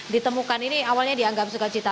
ditemukan ini awalnya dianggap sukacita